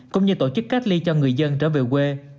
cũng như tổ chức cách ly cho người dân trở về quê